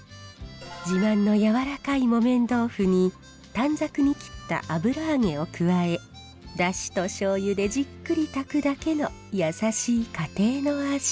自慢のやわらかい木綿豆腐に短冊に切った油揚げを加え出汁と醤油でじっくり炊くだけの優しい家庭の味。